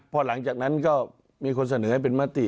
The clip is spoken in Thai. พอหลังจากนั้นก็มีคนเสนอให้เป็นมติ